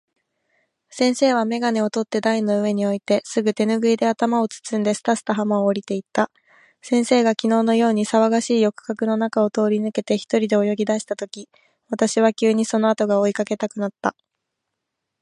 先生は眼鏡をとって台の上に置いて、すぐ手拭（てぬぐい）で頭を包んで、すたすた浜を下りて行った。先生が昨日（きのう）のように騒がしい浴客（よくかく）の中を通り抜けて、一人で泳ぎ出した時、私は急にその後（あと）が追い掛けたくなった。